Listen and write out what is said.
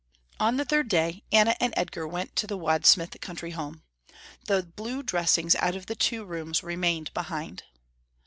On the third day, Anna and Edgar went to the Wadsmith country home. The blue dressings out of the two rooms remained behind.